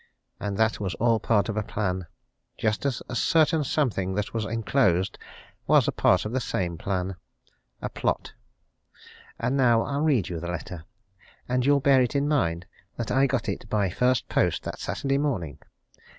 And that was all part of a plan just as a certain something that was enclosed was a part of the same plan a plot. And now I'll read you the letter and you'll bear it in mind that I got it by first post that Saturday morning.